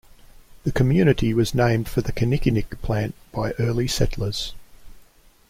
The community was named for the kinnikinick plant by early settlers.